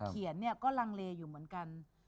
เขียนเนี่ยก็ลังเลอยู่เหมือนกัน